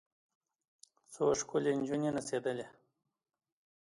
څو ښکلې نجونې نڅېدلې.